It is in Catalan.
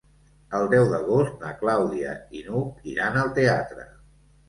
El deu d'agost na Clàudia i n'Hug iran al teatre.